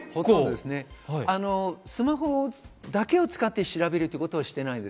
スマホだけを使って調べるということはしていないです。